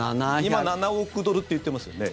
今、７億ドルって言ってますよね。